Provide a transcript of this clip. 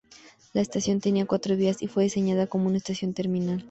La estación tenía cuatro vías y fue diseñada como una estación terminal.